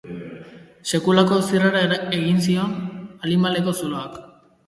Sekulako zirrara egin zion alimaleko zuloak...!